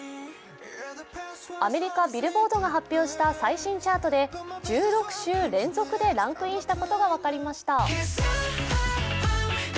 アメリカ・Ｂｉｌｌｂｏａｒｄが発表した最新チャートで１６週連続でランクインしたことが分かりました。